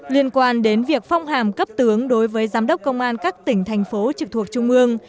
liên quan đến việc phong hàm cấp tướng đối với giám đốc công an các tỉnh thành phố trực thuộc trung ương